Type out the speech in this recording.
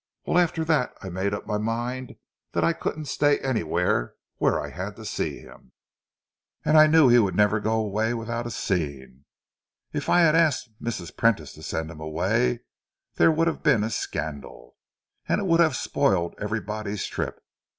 "Well, after that I made up my mind that I couldn't stay anywhere where I had to see him. And I knew he would never go away without a scene. If I had asked Mrs. Prentice to send him away, there would have been a scandal, and it would have spoiled everybody's trip.